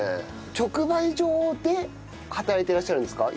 直売所で働いていらっしゃるんですか？